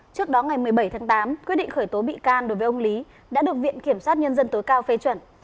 trước đó ngày một mươi bảy tháng tám quyết định khởi tố bị can đối với ông lý đã được viện kiểm sát nhân dân tối cao phê chuẩn